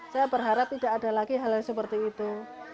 saya berharap tidak ada lagi hal hal seperti itu